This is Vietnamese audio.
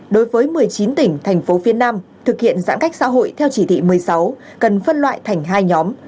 đối với một mươi chín tỉnh thành phố phía nam thực hiện giãn cách xã hội theo chỉ thị một mươi sáu cần phân loại thành hai nhóm